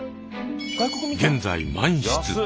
現在満室。